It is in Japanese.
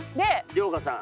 遼河さん。